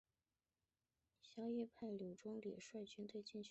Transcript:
萧绎派柳仲礼率军进取襄阳。